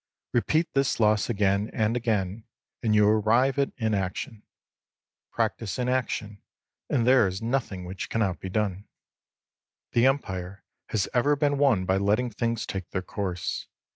Repeat this loss again and again, and you arrive at inaction. Practise inaction, and there is nothing which cannot be done. The Empire has ever been won by letting things take their course.